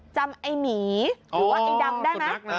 จำไอ้หมีหรือว่าไอ้ดำได้ไหม